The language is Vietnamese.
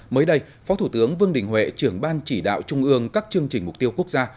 mới đây phó thủ tướng vương đình huệ trưởng ban chỉ đạo trung ương các chương trình mục tiêu quốc gia